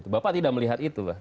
bapak tidak melihat itu pak